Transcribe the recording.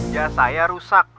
ya saya rusak